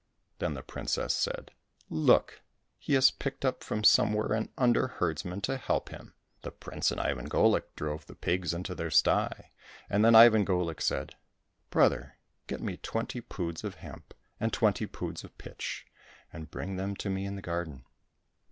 Then the princess said, " Look ! he has picked up from somewhere an under herdsman to help him !" 286 IVAN GOLIK AND THE SERPENTS The prince and Ivan Golik drove the pigs into their sty, and then Ivan GoHk said, " Brother, get me twenty poods of hemp and twenty poods of pitch, and bring them to me in the garden."